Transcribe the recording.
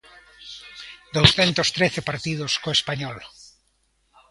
Douscentos trece partidos co Español.